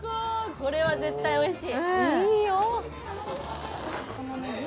これは絶対おいしい。